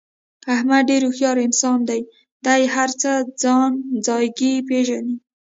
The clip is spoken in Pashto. احمد ډېر هوښیار انسان دی. دې هر څه ځای ځایګی پېژني.